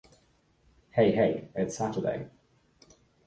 Hey, Hey, It's Saturday!